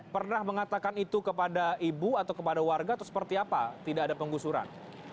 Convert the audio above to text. pernah mengatakan itu kepada ibu atau kepada warga atau seperti apa tidak ada penggusuran